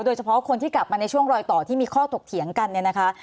โดยเฉพาะคนที่กลับมาในช่วงรอยต่อที่มีข้อถกเถียงกันเนี่ยนะคะ